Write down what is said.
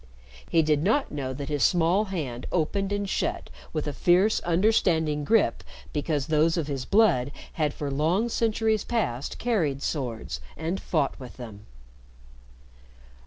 He did not know that his small hand opened and shut with a fierce understanding grip because those of his blood had for long centuries past carried swords and fought with them.